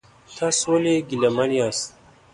تاسو ولې ګیلمن یاست؟